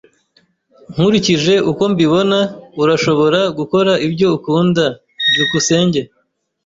Nkurikije uko mbibona, urashobora gukora ibyo ukunda. byukusenge